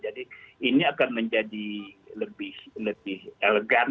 jadi ini akan menjadi lebih elegan kan